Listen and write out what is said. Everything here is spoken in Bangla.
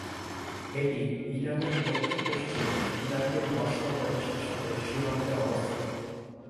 এটি ইরানের দক্ষিণ-পশ্চিমে ইরাকের বসরা প্রদেশের সাথে সীমান্তে অবস্থিত।